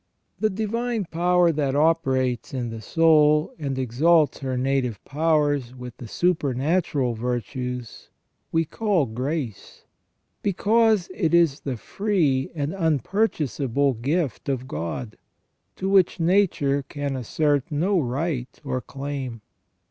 * The divine power that operates in the soul, and exalts her native powers with the supernatural virtues, we call grace, because it is the free and unpurchasable gift of God, to which nature can assert no right or claim.